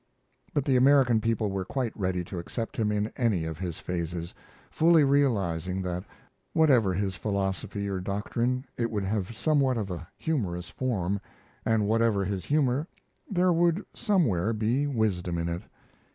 But the American people were quite ready to accept him in any of his phases, fully realizing that whatever his philosophy or doctrine it would have somewhat of the humorous form, and whatever his humor, there would somewhere be wisdom in it.